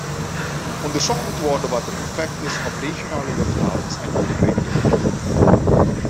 Onderzocht moet worden wat het effect is op regionale luchthavens en de omringende gebieden.